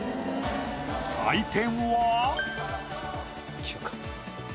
採点は？